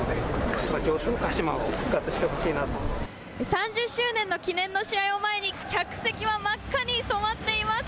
３０周年の記念の試合を前に客席は真っ赤に染まっています。